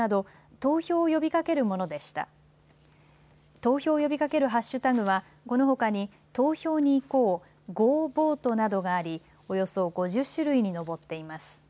投票を呼びかけるハッシュタグはこのほかに投票に行こう、ｇｏｖｏｔｅなどがあり、およそ５０種類に上っています。